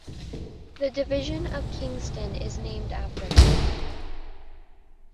The Division of Kingston is named after him.